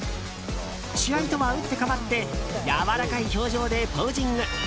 試合とは打って変わってやわらかい表情でポージング。